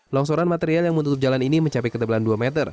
longsoran material yang menutup jalan ini mencapai ketebalan dua meter